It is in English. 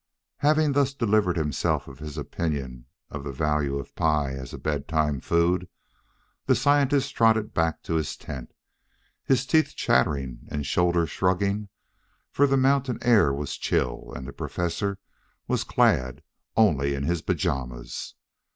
Having thus delivered himself of his opinion on the value of pie as a bedtime food, the scientist trotted back to his tent, his teeth chattering and shoulders shrugging, for the mountain air was chill and the Professor was clad only in his pajamas.